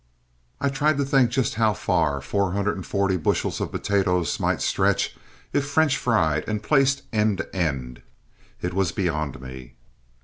I tried to think just how far 440 bushels of potatoes might stretch if French fried and placed end to end. It was beyond me.